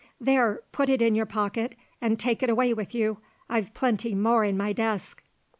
"There, put it in your pocket and take it away with you. I've plenty more in my desk."